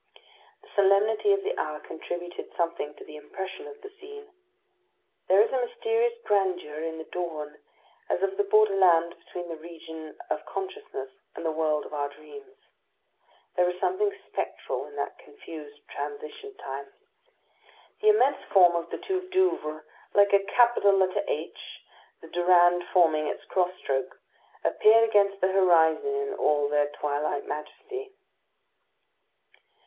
The solemnity of the hour contributed something to the impression of the scene. There is a mysterious grandeur in the dawn, as of the border land between the region of consciousness and the world of our dreams. There is something spectral in that confused transition time. The immense form of the two Douvres, like a capital letter H, the Durande forming its cross stroke, appeared against the horizon in all their twilight majesty.